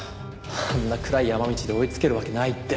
あんな暗い山道で追いつけるわけないって。